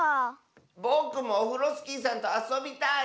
ぼくもオフロスキーさんとあそびたい！